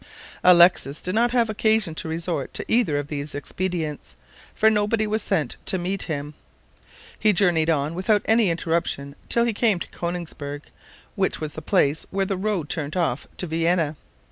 Alexis did not have occasion to resort to either of these expedients, for nobody was sent to meet him. He journeyed on without any interruption till he came to Konigsberg, which was the place where the road turned off to Vienna.